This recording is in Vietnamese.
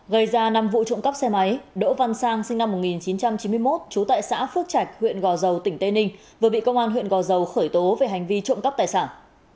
gây ra năm vụ trộm cắp xe máy đỗ văn sang sinh năm một nghìn chín trăm chín mươi một trú tại xã phước trạch huyện gò dầu tỉnh tây ninh vừa bị công an huyện gò dầu khởi tố về hành vi trộm cắp tài sản